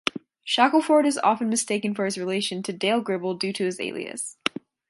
Shackelford is often mistaken for his relation to Dale Gribble due to his alias.